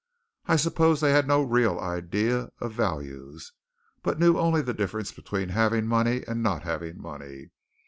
I suppose they had no real idea of values, but knew only the difference between having money and not having money.